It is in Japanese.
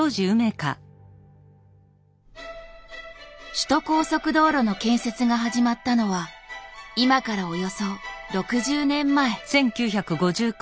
首都高速道路の建設が始まったのは今からおよそ６０年前。